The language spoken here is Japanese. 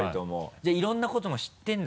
じゃあいろんなことも知ってるんだ？